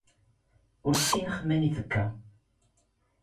ⵓⵔ ⵙⵙⵉⵏⵖ ⵎⴰⵏⵉ ⴷ ⵜⴽⴽⴰ?